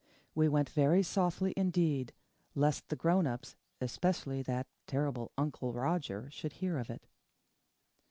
We went very softly indeed, lest the grown ups, especially that terrible Uncle Roger, should hear of it.